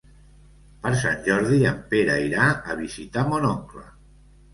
Per Sant Jordi en Pere irà a visitar mon oncle.